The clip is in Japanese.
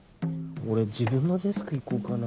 俺自分のデスク行こうかな。